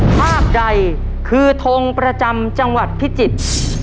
ภาพใดคือทงประจำจังหวัดพิจิตร